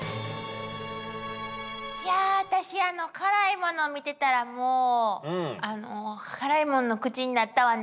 いや私あの辛いものを見てたらもうあの辛いものの口になったわね。